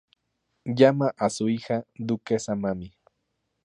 Llama a su hija "duquesa Mami".